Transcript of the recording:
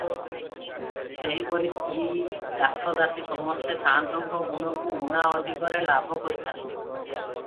ସେହିପରି ସ୍ତ୍ରୀ, ଦାସ ଦାସୀ ସମସ୍ତେ ସାଆନ୍ତଙ୍କ ଗୁଣକୁ ଉଣା ଅଧିକରେ ଲାଭ କରିଥାନ୍ତି ।